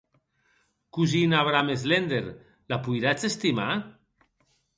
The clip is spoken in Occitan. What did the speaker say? Cosin Abraham Slender, la poiratz estimar?